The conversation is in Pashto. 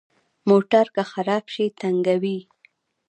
موټر که خراب شي، تنګوي.